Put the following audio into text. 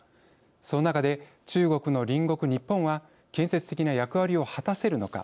その中で中国の隣国日本は建設的な役割を果たせるのか。